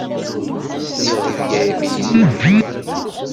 Sliɣ di Bgayet i yezdeɣ Thomas.